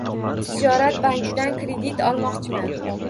Tijorat bankidan kredit olmoqchiman.